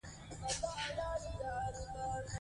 راځئ چې خپل ژوند ته معنی ورکړو.